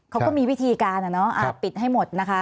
เขาก็มีวิธีการปิดให้หมดนะคะ